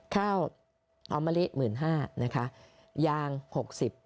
ข้าวออมเมลิ๑๕๐๐๐บาทนะคะยาง๖๐๐๐๐บาท